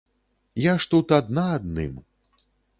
Я ж тут адна адным.